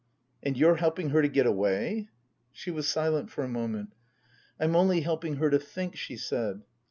" And you're helping her to get away ?" She was silent for a moment. " I'm only helping her to think," she said.